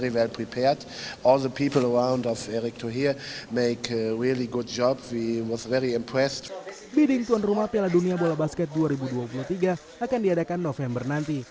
bidding tuan rumah piala dunia bola basket dua ribu dua puluh tiga akan diadakan november nanti